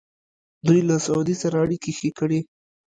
دوی له سعودي سره اړیکې ښې کړې.